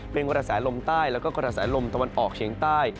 เป็นวัดสายลมใต้แล้วก็วัดสายลมตะวันออกเฉียงใต้